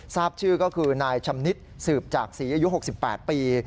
ทราบชื่อก็คือนายชำนิดสืบจากศรีอายุ๖๘ปี